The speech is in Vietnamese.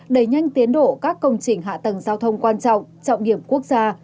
đẩy nhanh tiến độ các công trình hạ tầng giao thông quan trọng trọng điểm quốc gia